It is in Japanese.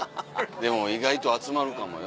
でも意外と集まるかもよ。